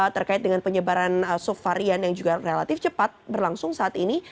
terkait dengan penyebaran subvarian yang juga relatif cepat berlangsung saat ini